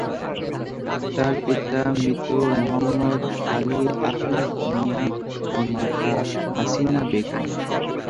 তার পিতা মৃত মো: আলী আহমেদ মিয়া ও মাতা হাসিনা বেগম।